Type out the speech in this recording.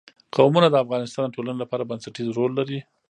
قومونه د افغانستان د ټولنې لپاره بنسټيز رول لري.